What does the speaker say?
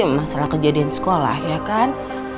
masalah kejadian sekolah ya kan